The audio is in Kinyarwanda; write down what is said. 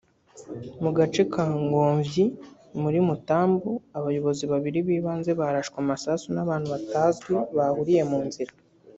Mu gace ka Gomvyi muri Mutambu abayobozi babiri b’ibanze barashwe amasasu n’abantu batazwi bahuriye mu nzira